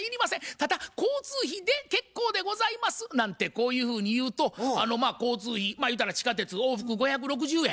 ただ交通費で結構でございます」なんてこういうふうに言うと交通費ゆうたら地下鉄往復５６０円